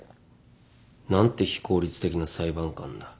何て非効率的な裁判官だ。